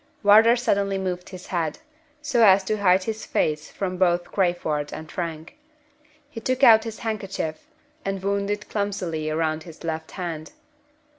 Wardour suddenly moved his head, so as to hide his face from both Crayford and Frank. He took out his handkerchief, and wound it clumsily round his left hand.